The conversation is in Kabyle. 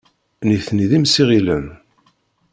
Nitni d imsiɣilen.